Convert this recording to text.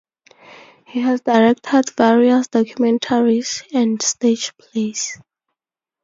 He has directed various documentaries and stage plays.